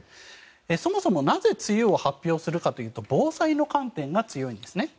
そもそもなぜ梅雨を発表するかというと防災の観点が強いんですね。